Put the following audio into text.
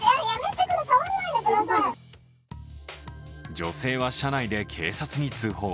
女性は車内で警察に通報。